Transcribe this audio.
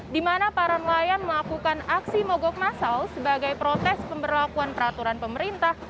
di mana para nelayan melakukan aksi mogok masal sebagai protes pemberlakuan peraturan pemerintah